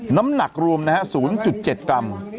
น้ำหนักรวมนะฮะ๐๗กรัม